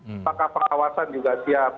apakah pengawasan juga siap